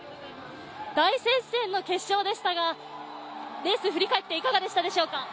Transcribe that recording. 大接戦の決勝でしたがレース振り返っていかがでしたでしょうか。